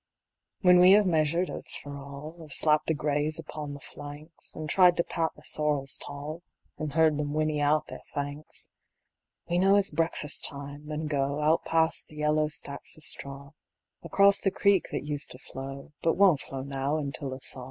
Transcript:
When we have measured oats for all, Have slapped the grays upon the flanks, An' tried to pat the sorrels tall, An' heard them whinny out their thanks, We know it's breakfast time, and go Out past the yellow stacks of straw, Across the creek that used to flow, But won't flow now until a thaw.